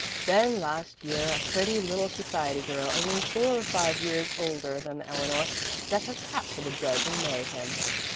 Then last year a pretty little society girl, only four or five years older than Eleanor, set her cap for the judge and married him.